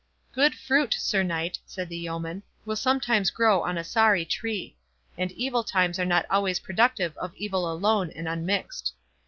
"Good fruit, Sir Knight," said the yeoman, "will sometimes grow on a sorry tree; and evil times are not always productive of evil alone and unmixed.